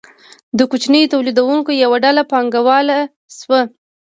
د کوچنیو تولیدونکو یوه ډله پانګواله شوه.